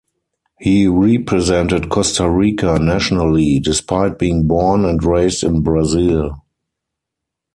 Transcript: He represented Costa Rica nationally, despite being born and raised in Brazil.